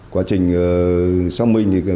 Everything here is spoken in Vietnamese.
quá trình xong mình